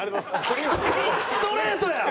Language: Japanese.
ストレートや！